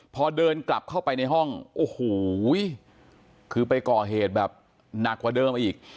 พอเดินกลับเข้าไปในห้องโอ้โหคือไปก่อเหตุแบบหนักกว่าเดิมอีก